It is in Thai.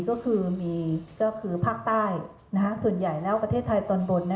ก็คือภาครภาคใต้ส่วนใหญ่แล้วประเทศไทยตลบด